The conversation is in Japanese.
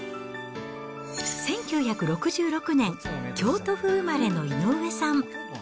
１９６６年、京都府生まれの井上さん。